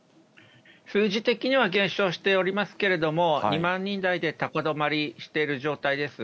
数字的には減少しておりますけれども、２万人台で高止まりしている状態です。